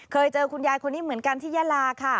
เคยเจอคุณยายคนนี้เหมือนกันที่ยาลาค่ะ